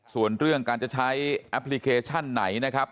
ส่วนเรื่องการจะใช้แอปพลิเคชันไหนนะครับ